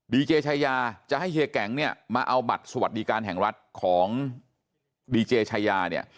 ดีเจชายาจะให้เฮียแก๊งเนี่ยมาเอาบัตรสวัสดิการแห่งรัฐของดีเจชายาเนี่ย